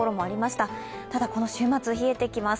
ただ、この週末冷えてきます。